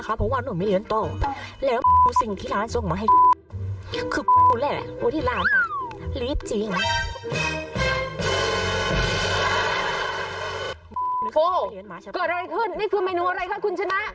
โอ้โหเกิดอะไรขึ้นนี่คือเมนูอะไรคะคุณชนะ